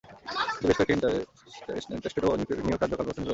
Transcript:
এটি বেশ কয়েকটি ইন্টারস্টেট ও নিউইয়র্ক রাজ্য খাল ব্যবস্থার নিকট অবস্থিত।